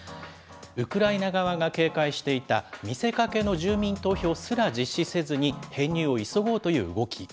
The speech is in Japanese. ウクライナ側が警戒していた見せかけの住民投票すら実施せずに、編入を急ごうという動き。